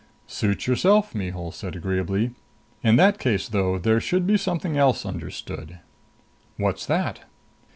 "Suit yourself," Mihul said agreeably. "In that case though, there should be something else understood." "What's that?"